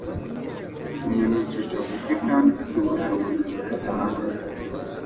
inyoni yicisha bugufi kandi ifite ubushobozi budasanzwe